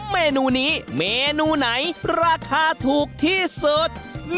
เมนูนี้เมนูไหนราคาถูกที่สุด